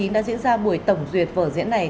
đã diễn ra buổi tổng duyệt vở diễn này